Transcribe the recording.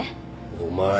お前！